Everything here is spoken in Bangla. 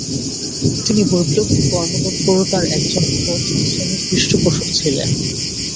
তিনি বৈপ্লবিক কর্মতৎপরতার একজন প্রথম শ্রেণীর পৃষ্ঠপোষক ছিলেন।